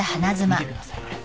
見てくださいこれ。